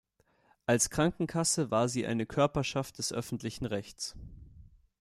Als Krankenkasse war sie eine Körperschaft des öffentlichen Rechts.